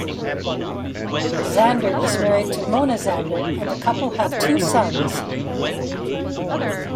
Zander is married to Mona Zander, and the couple have two sons.